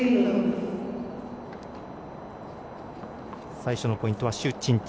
最初のポイントは朱珍珍。